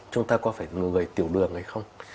chúng ta có phải người tiểu đường hay không